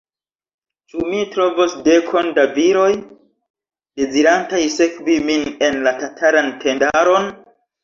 Ĉu mi trovos dekon da viroj, dezirantaj sekvi min en la tataran tendaron?